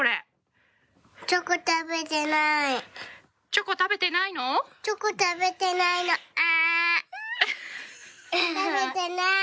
チョコ食べてなーい。